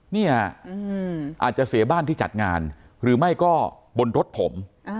เนี่ยอาจจะเสียบ้านที่จัดงานหรือไม่ก็บนรถผม